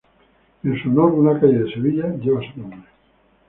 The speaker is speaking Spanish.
En su honor, una calle de Sevilla lleva su nombre.